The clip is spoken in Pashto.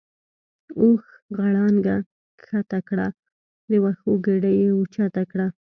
اوښ غړانګه کښته کړه د وښو ګیډۍ یې اوچته کړه.